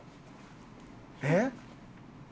えっ？